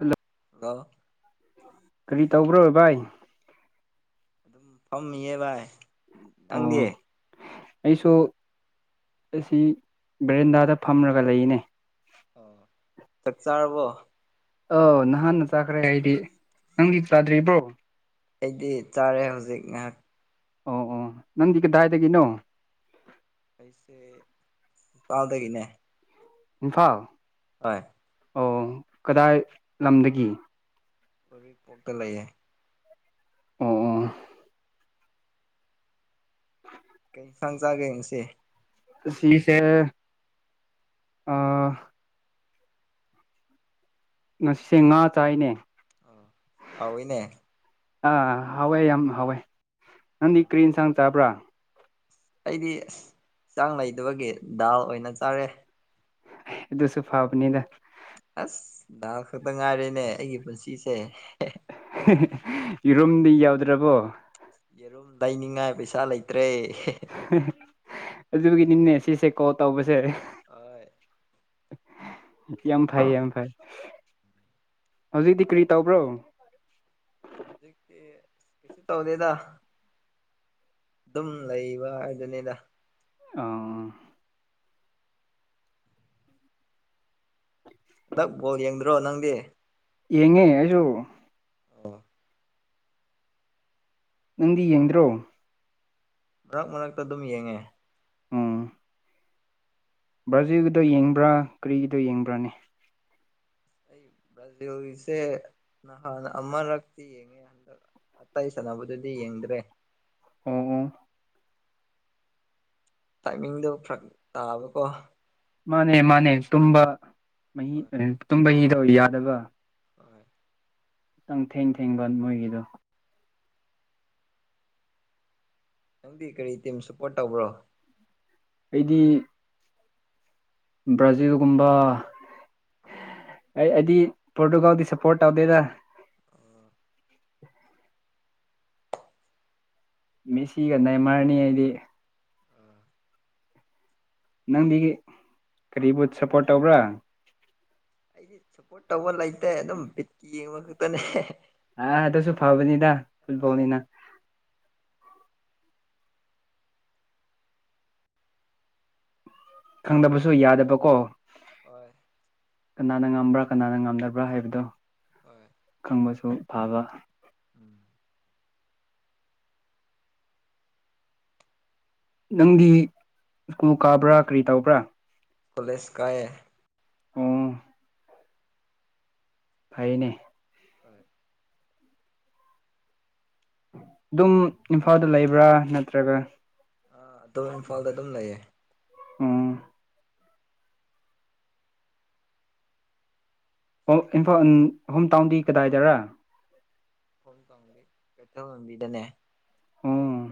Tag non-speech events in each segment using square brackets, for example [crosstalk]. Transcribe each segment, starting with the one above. Hello hello ꯀꯔꯤ ꯇꯧꯕ꯭ꯔꯣ ꯚꯥꯏ ꯑꯗꯨꯝ ꯐꯝꯃꯤꯌꯦ ꯚꯥꯏ ꯑꯣ ꯅꯪꯗꯤ ꯑꯩꯁꯨ ꯑꯁꯤ ꯕꯔꯦꯟꯗꯥꯗ ꯐꯝꯔꯒ ꯂꯩꯌꯦꯅꯦ ꯑꯣ ꯆꯥꯛ ꯆꯥꯔꯕꯣ ꯑꯣ ꯅꯍꯥꯟꯅ ꯆꯥꯈ꯭ꯔꯦ ꯑꯩꯗꯤ ꯅꯪꯗꯤ ꯑꯁ ꯆꯥꯗ꯭ꯔꯤꯕꯣ ꯑꯩꯗꯤ ꯆꯥꯔꯦ ꯍꯧꯖꯤꯛ ꯉꯥꯏꯍꯥꯛ ꯑꯣ ꯑꯣ ꯅꯪꯗꯤ ꯀꯗꯥꯏꯗꯒꯤꯅꯣ ꯑꯩꯁꯦ ꯏꯝꯐꯥꯜꯗꯒꯤꯅꯦ ꯏꯝꯐꯥꯜ ꯍꯣꯏ ꯑꯣ ꯀꯗꯥꯏ ꯂꯝꯗꯒꯤ ꯎꯔꯤꯄꯣꯛꯇ ꯂꯩꯌꯦ ꯑꯣ ꯑꯣ [unintelligible] ꯀꯩ ꯏꯟꯁꯥꯡ ꯆꯥꯒꯦ ꯉꯥꯁꯤ ꯁꯤꯁꯦ ꯑ ꯉꯁꯤ ꯉꯥ ꯆꯥꯏꯅꯦ ꯑ ꯍꯥꯎꯋꯤꯅꯦ ꯑꯥ ꯍꯥꯎꯋꯦ ꯌꯥꯝ ꯍꯥꯎꯋꯦ ꯅꯪꯗꯤ ꯑꯣ ꯀ꯭ꯔꯤ ꯏꯟꯁꯥꯡ ꯆꯥꯕ꯭ꯔꯥ ꯑꯩꯗꯤ ꯏꯟꯁꯥꯡ ꯂꯩꯗꯕꯒꯤ ꯗꯥꯜ ꯑꯣꯏꯅ ꯆꯥꯔꯦ ꯑꯗꯨꯁꯨ ꯐꯥꯕꯅꯤꯗ ꯑꯁ ꯗꯥꯜ ꯈꯛꯇ ꯉꯥꯏꯔꯦꯅꯦ ꯑꯩꯒꯤ ꯄꯨꯟꯁꯤꯁꯦ ꯌꯦꯔꯨꯝꯗꯤ ꯌꯥꯎꯗ꯭ꯔꯕꯣ ꯌꯦꯔꯨꯝ ꯂꯩꯅꯤꯡꯉꯥꯏ ꯄꯩꯁꯥ ꯂꯩꯇ꯭ꯔꯦ ꯑꯗꯨꯒꯤꯅꯤꯅꯦ ꯁꯤꯁꯦ ꯀꯣꯜ ꯇꯧꯕꯁꯦ ꯍꯣꯏ ꯌꯥꯝ ꯐꯩ ꯌꯥꯝ ꯐꯩ ꯍꯧꯖꯤꯛꯇꯤ ꯀꯔꯤ ꯇꯧꯕ꯭ꯔꯣ ꯍꯧꯖꯤꯛꯇꯤ ꯀꯩꯁꯨ ꯇꯧꯗꯦꯗ ꯑꯗꯨꯝ ꯂꯩꯕ ꯍꯥꯏꯗꯨꯅꯤꯗ ꯑꯥ inaudible ꯍꯟꯗꯛ ꯕꯣꯜ ꯌꯦꯡꯗ꯭ꯔꯣ ꯅꯪꯗꯤ ꯌꯦꯡꯉꯦ ꯑꯩꯁꯨ ꯑꯣ ꯅꯪꯗꯤ ꯌꯦꯡꯗ꯭ꯔꯣ ꯃꯔꯛ ꯃꯔꯛꯇ ꯑꯗꯨꯝ ꯌꯦꯡꯉꯦ ꯎꯝ ꯕ꯭ꯔꯖꯤꯟꯒꯤꯗꯣ ꯌꯦꯡꯕ꯭ꯔꯥ ꯀꯔꯤꯒꯤꯗꯣ ꯌꯦꯡꯕ꯭ꯔꯥꯅꯦ ꯑꯩ ꯕꯔꯖꯤꯟꯒꯤꯁꯦ ꯅꯍꯥꯟ ꯑꯃꯔꯛꯇꯤ ꯌꯦꯡꯉꯦ ꯑꯇꯩ ꯁꯥꯟꯅꯕꯗꯗꯤ ꯌꯦꯡꯗ꯭ꯔꯦ ꯑꯣ ꯑꯣ ꯇꯥꯏꯃꯤꯡꯗꯣ ꯐꯔꯛ ꯇꯥꯕꯀꯣ ꯃꯥꯅꯦ ꯃꯥꯅꯦ ꯇꯨꯝꯕ ꯃꯍꯤ ꯍꯣꯏ ꯇꯨꯝꯕ ꯍꯤꯗꯣ ꯌꯥꯗꯕ ꯍꯣꯏ ꯈꯤꯇꯪ ꯊꯦꯡ ꯊꯦꯡꯕ ꯃꯣꯏꯒꯤꯗꯣ ꯅꯪꯗꯤ ꯀꯔꯤ ꯇꯤꯝ ꯁꯄ꯭ꯔꯣꯠ ꯇꯧꯕ꯭ꯔꯣ ꯑꯩꯗꯤ ꯕ꯭ꯔꯥꯖꯤꯜꯒꯨꯝꯕ ꯑꯩ ꯑꯩꯗꯤ ꯄꯣꯔꯇꯨꯒꯥꯜꯗꯤ ꯁꯄ꯭ꯔꯣꯠ ꯇꯧꯗꯦꯗ ꯑꯥ ꯃꯤꯁꯤꯒ ꯅꯦꯃꯔꯅꯤ ꯑꯩꯗꯤ ꯑ ꯅꯪꯗꯤ ꯀꯔꯤꯕꯨ ꯁꯄ꯭ꯔꯣꯠ ꯇꯧꯕ꯭ꯔꯥ ꯑꯩꯗꯤ ꯁꯄ꯭꯭ꯣꯔꯠ ꯇꯧꯕ ꯂꯩꯇꯦ ꯑꯗꯨꯝ ꯕꯤꯠꯀꯤ ꯌꯦꯡꯕ ꯈꯛꯇꯅꯦ ꯑꯥ ꯗꯨꯁꯨ ꯐꯕꯅꯤꯗꯥ ꯐꯨꯠ ꯕꯣꯜ ꯍꯣꯏ ꯅꯤꯅ ꯈꯪꯗꯕꯁꯨ ꯌꯥꯗꯕꯀꯣ ꯍꯣꯏ ꯀꯅꯥꯅ ꯉꯝꯕ꯭ꯔꯥ ꯀꯅꯥꯅ ꯉꯝꯗꯕ꯭ꯔꯥ ꯍꯥꯏꯕꯗꯨ ꯍꯣꯏ ꯈꯪꯕꯁꯨ ꯐꯕ ꯎꯝ ꯅꯪꯗꯤ ꯁ꯭ꯀꯨꯜ ꯀꯥꯕ꯭ꯔꯥ ꯀꯔꯤ ꯇꯧꯕ꯭ꯔꯥ ꯀꯣꯂꯦꯖ ꯀꯥꯏꯌꯦ ꯎꯝ ꯐꯩꯅꯦ ꯍꯣꯏ ꯑꯗꯨꯝ ꯏꯝꯐꯥꯜꯗ ꯂꯩꯕ꯭ꯔꯥ ꯅꯠꯇ꯭ꯔꯒ ꯑꯥ ꯑꯗꯨꯝ ꯏꯟꯐꯥꯜꯗ ꯑꯗꯨꯝ ꯂꯩꯌꯦ ꯎꯝ ꯍꯣꯝ ꯏꯟꯐꯥꯜ ꯎꯝ ꯍꯣꯝ ꯇꯥꯎꯟꯗꯤ ꯀꯗꯥꯏꯗꯔꯥ? ꯍꯣꯝ ꯇꯥꯎꯟꯗꯤ ꯀꯩꯊꯦꯜ ꯃꯟꯕꯤꯗꯅꯦ꯫ ꯑꯣ ꯑꯣ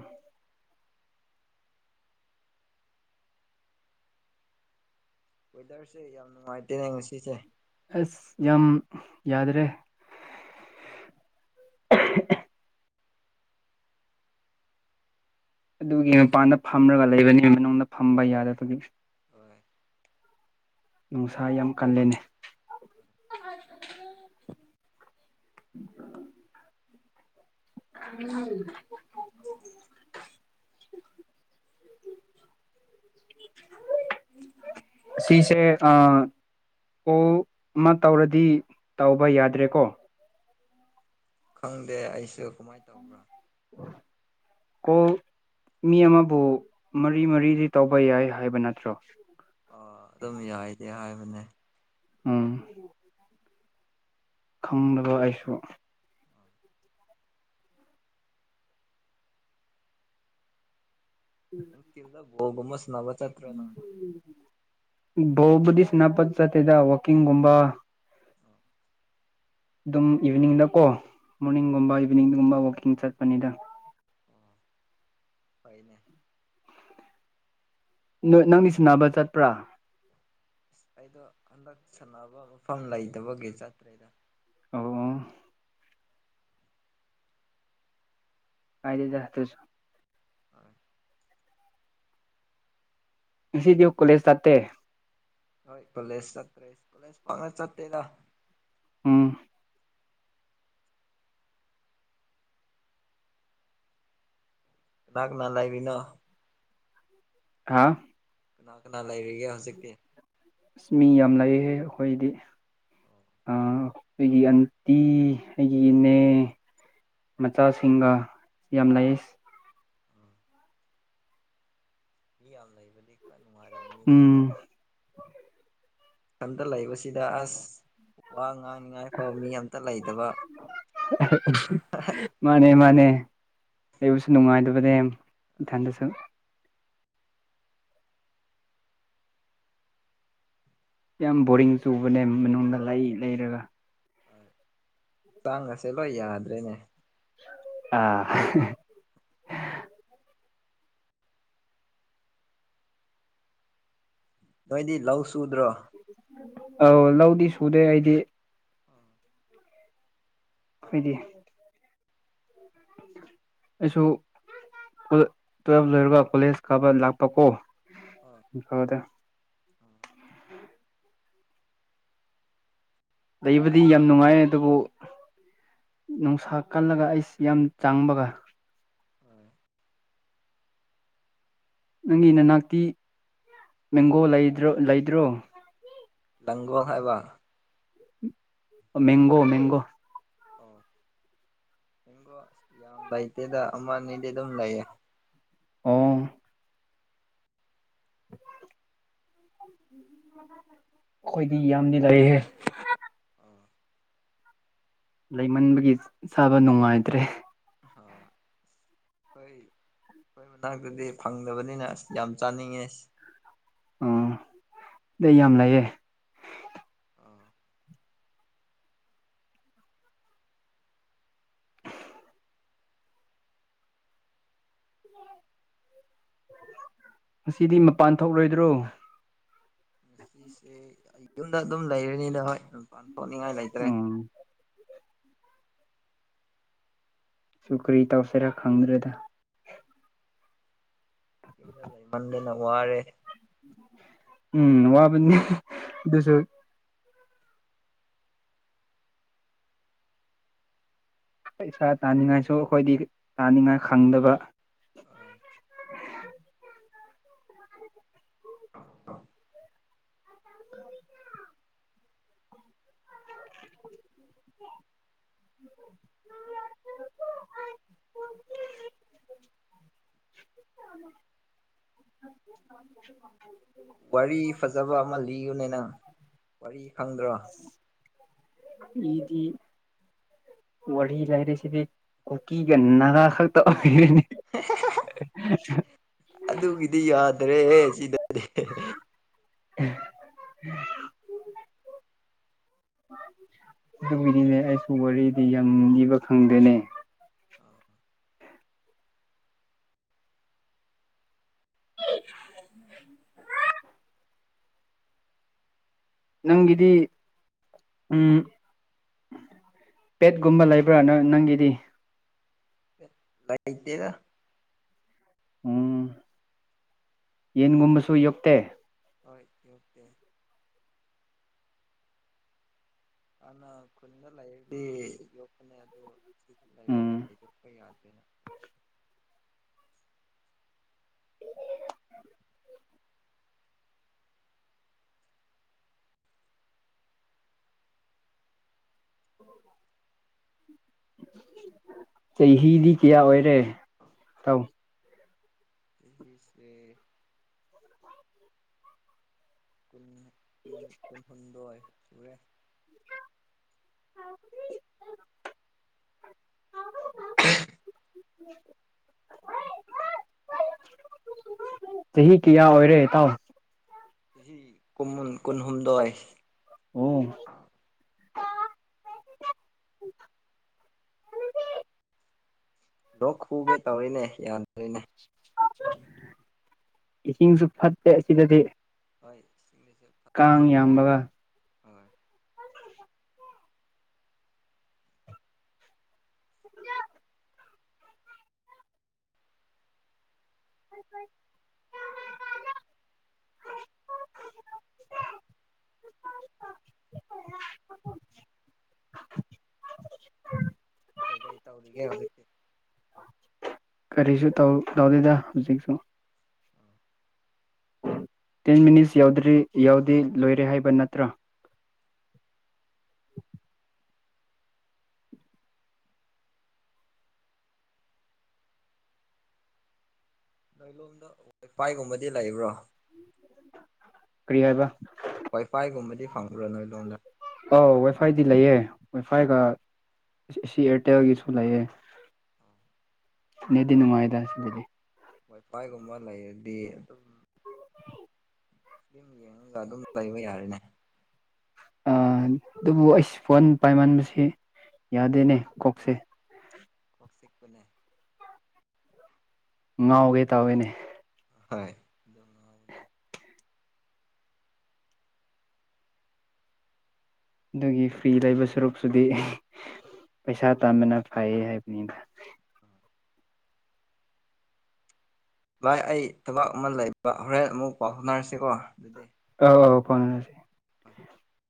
ꯋꯦꯗꯔꯁꯦ ꯌꯥꯝ ꯅꯨꯉꯥꯏꯇꯦꯅꯦ ꯉꯁꯤꯁꯦ ꯑꯁ ꯌꯥꯝ ꯌꯗꯥꯔꯦ ꯑꯗꯨꯒꯤ ꯃꯄꯥꯟꯗ ꯐꯝꯔꯒ ꯂꯩꯕꯅꯤ ꯃꯅꯨꯡꯗ ꯐꯝꯕ ꯌꯥꯗꯕꯒꯤ ꯍꯣꯏ ꯅꯨꯡꯁꯥ ꯌꯥꯝ ꯀꯟꯂꯦꯅꯦ [unintelligible] [inaudible] [unintelligible] [unintelligible] ꯑꯁꯤꯁꯦ ꯑꯥ ꯀꯣꯜ ꯑꯃ ꯇꯧꯔꯗꯤ ꯇꯧꯕ ꯌꯥꯗ꯭ꯔꯦꯀꯣ? ꯈꯪꯗꯦ ꯑꯩꯁꯨ ꯀꯃꯥꯏ ꯇꯧꯕ꯭ꯔꯥ [inaudible] ꯀꯣꯜ ꯃꯤ ꯑꯃꯕꯨ ꯃꯔꯤ ꯃꯔꯤꯗꯤ ꯇꯧꯕ ꯌꯥꯏ ꯍꯥꯏꯕ ꯅꯠꯇ꯭ꯔꯣ? ꯑꯥ ꯑꯗꯨꯝ ꯌꯥꯏꯗꯤ ꯍꯥꯏꯕꯅꯦ꯫ ꯎꯝ ꯈꯪꯗꯕ ꯑꯩꯁꯨ ꯅꯨꯡꯇꯤꯜꯗ ꯕꯣꯜ ꯒꯨꯝꯕ ꯁ꯭ꯅꯥꯕ ꯆꯠꯇ꯭ꯔꯥ ꯅꯥ? [unintelligible] ꯕꯣꯜꯕꯨꯗꯤ ꯁ꯭ꯅꯥꯕ ꯆꯠꯇꯦꯗ ꯋꯥꯀꯤꯡꯒꯨꯝꯕ ꯑꯗꯨꯝ ꯏꯚꯤꯅꯤꯡꯗꯀꯣ ꯃꯣꯔꯅꯤꯡꯒꯨꯝꯕ ꯏꯚꯤꯅꯤꯡꯗꯒꯨꯝꯕ ꯋꯛꯀꯤꯡ ꯆꯠꯄꯅꯤꯗ ꯐꯩꯅꯦ ꯅꯣꯏ ꯅꯪꯗꯤ ꯁꯟꯅꯕ ꯆꯠꯄ꯭ꯔꯥ? ꯑꯁ ꯑꯩꯗꯣ ꯍꯟꯗꯛ ꯁꯥꯟꯅꯕ ꯃꯐꯝ ꯂꯩꯇꯕꯒꯤ ꯆꯠꯇ꯭ꯔꯦꯗ [unintelligible] ꯑꯣ ꯀꯥꯏꯗꯦꯗꯥ ꯗꯨꯁꯨ ꯍꯣꯏ ꯉꯁꯤꯗ꯭ꯌꯨ ꯀꯣꯂꯦꯖ ꯆꯠꯇꯦ ꯍꯣꯏ ꯄꯂꯦꯁ ꯆꯠꯇ꯭ꯔꯦꯁ ꯀꯣꯂꯦꯖ ꯄꯛꯅ ꯆꯠꯇꯦꯗ ꯎꯝ ꯀꯅꯥ ꯀꯅꯥ ꯂꯩꯔꯤꯅꯣ? ꯈꯥ ꯀꯅꯥ ꯀꯅꯥ ꯂꯩꯔꯤꯒꯦ ꯍꯧꯖꯤꯛꯇꯤ? ꯑꯁ ꯃꯤ ꯌꯥꯝ ꯂꯩꯍꯦ ꯑꯈꯣꯏꯗꯤ ꯑꯥ ꯑꯈꯣꯏꯒꯤ ꯑꯟꯇꯤ ꯑꯩꯒꯤ ꯏꯅꯦ ꯃꯆꯥꯁꯤꯡꯒ ꯌꯥꯝ ꯂꯩꯁ ꯃꯤ ꯌꯥꯝ ꯂꯩꯕꯗꯤ ꯈꯔ ꯅꯨꯡꯉꯥꯏꯔꯝ ꯎꯝ ꯏꯊꯟꯇ ꯂꯩꯕꯁꯤꯗ ꯑꯁ ꯋꯥ ꯉꯥꯡꯅꯤꯉꯥꯏ ꯐꯎ ꯃꯤ ꯑꯝꯇ ꯂꯩꯇꯕ [unintelligible] ꯃꯟꯅꯦ ꯃꯥꯅꯦ ꯂꯩꯕꯁꯨ ꯅꯨꯡꯉꯥꯏꯇꯕꯅꯦ ꯏꯊꯥꯟꯇꯁꯨ ꯌꯥꯝ ꯕꯣꯔꯤꯡ ꯆꯨꯕꯅꯦ ꯃꯅꯨꯡꯗ ꯂꯩ ꯂꯩꯔꯒ ꯆꯥꯡ ꯒꯁꯦ ꯂꯣꯏ ꯌꯥꯗ꯭ꯔꯦꯅꯦ ꯑꯥ ꯅꯣꯏꯗꯤ ꯂꯧ ꯁꯨꯗ꯭ꯔꯣ ꯑꯧ ꯂꯧꯗꯤ ꯁꯨꯗꯦ ꯑꯩꯗꯤ ꯑꯥ ꯑꯩꯈꯣꯏꯗꯤ ꯑꯩꯁꯨ ꯇꯨꯋꯦꯜꯕ ꯂꯣꯏꯔꯒ ꯀꯣꯂꯦꯖ ꯀꯥꯕ ꯂꯥꯛꯄ ꯀꯣ ꯍꯣꯏ ꯏꯝꯐꯥꯜꯗ ꯑꯥ ꯂꯩꯕꯗꯤ ꯌꯥꯝ ꯅꯨꯡꯉꯥꯏꯌꯦ ꯑꯗꯨꯕꯨ ꯅꯨꯡꯁꯥ ꯀꯜꯂꯒ ꯑꯩꯁ ꯌꯥꯝ ꯆꯥꯡꯕꯒ ꯑꯝ ꯅꯪꯒꯤ ꯅꯅꯥꯛꯇꯤ ꯃꯦꯡꯒꯣ ꯂꯩꯗ꯭ꯔꯣ ꯗꯪꯒꯣ ꯍꯥꯏꯕ ꯃꯦꯡꯒꯣ ꯃꯦꯡꯒꯣ ꯑꯣ ꯃꯦꯡꯒꯣ ꯌꯥꯝ ꯂꯩꯇꯦꯗ ꯑꯃ ꯑꯅꯤꯗꯤ ꯑꯗꯨꯝ ꯂꯩꯌꯦ ꯑꯣ [inaudible] ꯎꯝ [inaudible] ꯑꯩꯈꯣꯏꯗꯤ ꯌꯥꯝꯗꯤ ꯂꯩꯍꯦ ꯑꯥ ꯂꯩꯃꯟꯕꯒꯤ ꯆꯥꯕ ꯅꯨꯡꯉꯥꯏꯇ꯭ꯔꯦ ꯑꯥ ꯑꯩꯈꯣꯏ ꯑꯩꯈꯣꯏ ꯃꯅꯥꯛꯇꯗꯤ ꯐꯪꯗꯕꯅꯤꯅ ꯑꯁ ꯌꯥꯝ ꯆꯥꯅꯤꯡꯉꯦ ꯑꯣ ꯁꯤꯗ ꯌꯥꯝ ꯂꯩꯌꯦ ꯑꯥ ꯉꯁꯤꯗꯤ ꯃꯄꯥꯟ ꯊꯣꯛꯂꯣꯏꯗ꯭ꯔꯣ ꯉꯁꯤꯁꯦ ꯑꯩ ꯌꯨꯝꯗ ꯑꯗꯨꯝ ꯂꯩꯔꯅꯤꯅ ꯍꯣꯏ ꯑꯗꯨꯝꯄꯥꯟ ꯊꯣꯛꯅꯤꯡꯉꯥꯏ ꯂꯩꯇ꯭ꯔꯦ ꯎꯝ ꯑꯗꯨ ꯀꯔꯤ ꯇꯧꯁꯤꯔꯥ ꯈꯪꯗ꯭ꯔꯦꯗ ꯂꯩꯃꯟꯗꯅ ꯋꯥꯔꯦ ꯎꯝ ꯋꯥꯕꯅꯤ ꯑꯗꯨꯁꯨ ꯄꯩꯁꯥ ꯇꯥꯅꯤꯡꯉꯥꯏꯁꯨ ꯑꯩꯈꯣꯏꯗꯤ ꯇꯥꯅꯤꯡꯉꯥꯏ ꯈꯪꯗꯕ ꯍꯣꯢ ꯑ [inaudible] ꯎ [unintelligible] ꯀ [inaudible] ꯋꯥꯔꯤ ꯐꯖꯕ ꯑꯃ ꯂꯤꯌꯨꯅꯦ ꯅꯪ ꯋꯥꯔꯤ ꯈꯪꯗ꯭ꯔꯣ ꯍꯗꯤ [inaudible] ꯋꯥꯔꯤ ꯂꯥꯏꯔꯤꯁꯤꯗꯤ ꯀꯨꯀꯤꯒ ꯅꯥꯒꯥ ꯈꯛꯇ ꯑꯣꯏꯒꯅꯤ ꯑꯗꯨꯒꯤꯗꯤ ꯌꯥꯗ꯭ꯔꯦ ꯁꯤꯗꯗꯤ ꯎꯝ [unintelligible] ꯑꯗꯨꯒꯤꯅꯤꯅꯦ ꯑꯩꯁꯨ ꯋꯥꯔꯤꯗꯤ ꯌꯥꯝ ꯂꯥꯕ ꯈꯪꯗꯦꯅꯦ ꯅꯪꯒꯤꯗꯤ ꯎꯝ ꯄꯦꯠꯀꯨꯝꯕ ꯂꯩꯕ꯭ꯔꯥ ꯅꯪ ꯅꯪꯒꯤꯗꯤ ꯂꯩꯇꯦꯗ ꯎꯝ ꯌꯦꯟꯒꯨꯝꯕꯁꯨ ꯌꯣꯛꯇꯦ? ꯍꯣꯏ ꯌꯣꯛꯇꯦ꯫ ꯑꯥꯅ ꯈꯨꯟꯗ ꯂꯩꯔꯗꯤ ꯌꯣꯛꯄꯅꯦ ꯑꯗꯨ [unintelligible] ꯂꯩꯕꯗꯤ ꯎꯝ ꯍꯥꯏꯗꯣꯛꯄ ꯌꯥꯗꯦꯅ ꯆꯩꯍꯤꯗꯤ ꯀꯌꯥ ꯑꯣꯏꯔꯦ, ꯇꯧ ꯅꯪꯒꯤꯁꯦ ꯨꯀꯨꯟ ꯀꯨꯟ ꯀꯨꯟꯍꯨꯝꯗꯣꯏ ꯁꯨꯔꯦ꯫ [unintelligible] [inaudible] ꯆꯍꯤ ꯀꯌꯥ ꯑꯣꯏꯔꯦ ꯏꯇꯥꯎ ꯆꯍꯤ ꯀꯨꯃꯨꯟ ꯀꯨꯟꯍꯨꯝꯗꯣꯏ ꯑꯣ ꯂꯣꯛ ꯈꯨꯒꯦ ꯇꯧꯔꯤꯅꯦ ꯌꯥꯗ꯭ꯔꯦꯅꯦ ꯏꯁꯤꯡꯁꯨ ꯐꯠꯇꯦ ꯑꯁꯤꯗꯗꯤ ꯍꯣꯏ [unintelligible] ꯀꯥꯡ ꯌꯥꯝꯕꯒ ꯍꯣꯏ [inaudible] ꯀꯩꯀꯩ ꯇꯧꯔꯤꯒꯦ ꯍꯧꯖꯤꯛꯇꯤ ꯀꯔꯤꯁꯨ ꯇꯧ ꯇꯧꯗꯦꯗꯥ ꯍꯧꯖꯤꯛꯁꯨ ꯇꯦꯟ ꯃꯤꯅꯤꯠꯁ ꯌꯥꯎꯗ꯭ꯔꯤ ꯌꯥꯎꯗꯤ ꯂꯣꯏꯔꯦ ꯍꯥꯏꯕ ꯅꯠꯇ꯭ꯔꯥ? ꯅꯣꯏꯂꯣꯝꯗ ꯎ [unintelligible] ꯄꯥꯏꯒꯨꯝꯕꯗꯤ ꯂꯩꯕ꯭ꯔꯣ ꯀꯔꯤ ꯍꯥꯏꯕ ꯋꯥꯏꯐꯥꯏꯒꯨꯝꯕꯗꯤ ꯐꯪꯕ꯭ꯔꯥ ꯅꯣꯏ ꯂꯣꯝꯗ ꯑꯧ ꯋꯥꯏꯐꯥꯏꯗꯤ ꯂꯩꯑꯦ ꯋꯥꯏꯐꯥꯏꯒ ꯑꯁꯤ ꯑꯦꯌꯥꯔꯇꯦꯜꯒꯤꯁꯨ ꯂꯩꯑꯦ꯫ ꯅꯦꯗꯤ ꯋꯥꯏꯐꯥꯏꯒꯨꯝ ꯅꯨꯡꯉꯥꯏꯗ ꯑꯁꯤꯗꯗꯤ ꯋꯥꯏꯐꯥꯏꯒꯨꯝꯕ ꯂꯩꯔꯗꯤ ꯑꯗꯨꯝ ꯐ꯭ꯂꯤꯝ ꯌꯦꯡꯉꯒ ꯑꯗꯨꯝ ꯂꯩꯕ ꯌꯥꯔꯦꯅꯦ ꯑ ꯑꯗꯨꯕꯨ ꯑꯩꯁ ꯐꯣꯟ ꯄꯥꯏꯃꯟꯕꯁꯤ ꯌꯥꯗꯦꯅꯦ ꯀꯣꯛꯁꯦ ꯑꯍꯣꯏ ꯀꯣꯛ ꯆꯤꯛꯄꯅꯦ꯫ ꯉꯥꯎꯒꯦ ꯇꯥꯎꯋꯦꯅꯦ ꯍꯣꯏ ꯑꯗꯨꯉꯧꯅꯦ [unintelligible] ꯑꯗꯨꯒꯤ ꯐ꯭ꯔꯤ ꯂꯩꯕ ꯁꯔꯨꯛꯁꯨꯗꯤ ꯏ ꯄꯩꯁꯥ ꯇꯥꯟꯕꯅ ꯐꯩꯌꯦ ꯍꯥꯏꯕꯅꯤꯗ ꯚꯥꯏ ꯑꯩ ꯊꯕꯛ ꯑꯃ ꯂꯩꯕ ꯍꯣꯔꯦꯟ ꯑꯃꯨꯛ ꯄꯥꯎ ꯐꯥꯎꯅꯔꯁꯤꯀꯣ, ꯑꯗꯨꯗꯤ꯫ ꯑꯧ ꯑꯧ ꯐꯧꯅꯔꯁꯤ [unintelligible] ꯍꯣꯏ ꯍꯣꯏ [unintelligible]